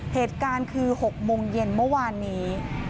เหตุการณ์คือ๖โมงเย็นเมื่อวานนี้